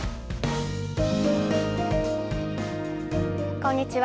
こんにちは。